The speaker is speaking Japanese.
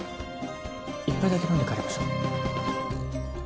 １杯だけ飲んで帰りましょうねっ？